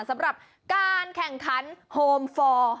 สำหรับการแข่งขันโฮมฟอร์